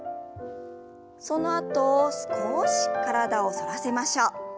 そのあと少し体を反らせましょう。